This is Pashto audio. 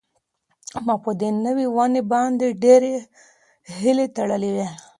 ما په دې نوې ونې باندې ډېرې هیلې تړلې وې.